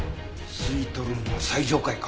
スイートルームは最上階か。